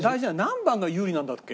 何番が有利なんだっけ？